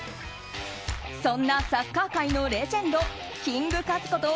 そんなサッカー界のレジェンドキングカズこと